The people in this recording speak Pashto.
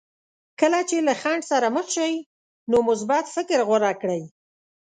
کله چې له خنډ سره مخ شئ نو مثبت فکر غوره کړئ.